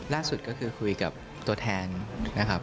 ล่าสุดก็คือคุยกับตัวแทนนะครับ